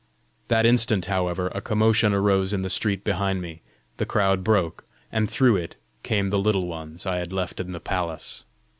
That instant, however, a commotion arose in the street behind me; the crowd broke; and through it came the Little Ones I had left in the palace.